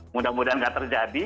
mudah mudahan tidak terjadi